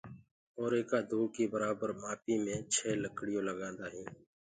اور ايڪآ دو ڪي برآبر مآپي مي ڇي لڪڙيو لگآندآ هينٚ